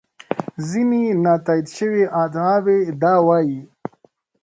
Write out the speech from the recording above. ځینې نا تایید شوې ادعاوې دا وایي.